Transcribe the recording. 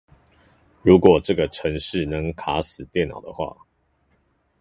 如果這個程式能卡死電腦的話